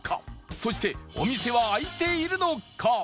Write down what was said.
そしてお店は開いているのか？